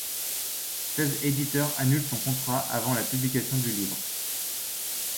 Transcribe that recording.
Seize éditeurs annulent son contrat avant la publication du livre.